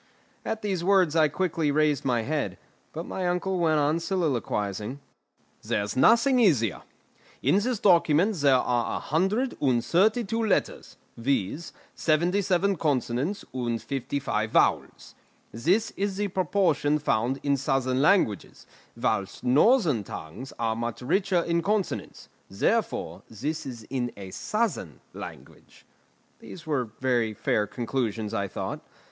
At these words I quickly raised my head; but my uncle went on soliloquising. "There's nothing easier. In this document there are a hundred and thirty two letters, viz., seventy seven consonants and fifty five vowels. This is the proportion found in southern languages, whilst northern tongues are much richer in consonants; therefore this is in a southern language." These were very fair conclusions, I thought.